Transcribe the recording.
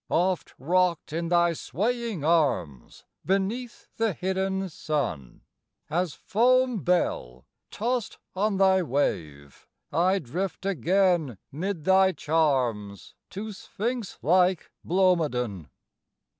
Oft rocked in thy swaying arms Beneath the hidden sun, As foam bell tost on thy wave I drift again 'mid thy charms To sphinx like Blomidon.